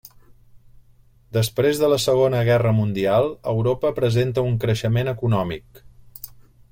Després de la Segona Guerra Mundial, Europa presenta un creixement econòmic.